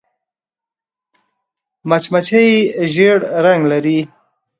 مچمچۍ ژیړ رنګ لري